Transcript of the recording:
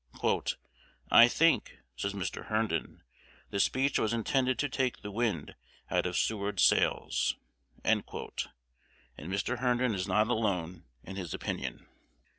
"I think," says Mr. Herndon, "the speech was intended to take the wind out of Seward's sails;" and Mr. Herndon is not alone in his opinion.